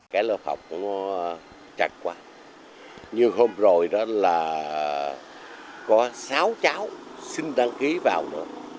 cái lớp học nó chạy quá như hôm rồi đó là có sáu cháu xin đăng ký vào nữa